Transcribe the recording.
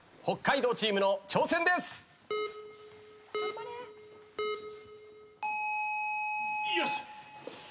北海道チームの挑戦です。